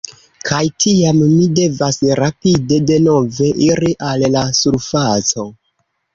Kaj tiam mi devas rapide denove iri al la surfaco.